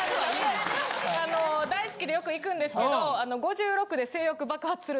あの大好きでよく行くんですけど。